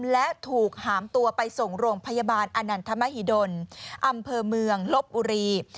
และถูกหามตัวไปส่งโรงพยาบาลอนันทมหิดลอำเภอเมืองลบบุรี